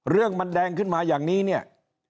เรื่องมันแดงขึ้นมาอย่างนี้เนี่ย